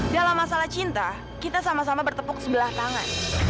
dalam masalah cinta kita sama sama bertepuk sebelah tangan